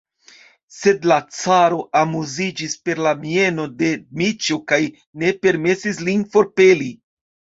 Sed la caro amuziĝis per la mieno de Dmiĉjo kaj ne permesis lin forpeli.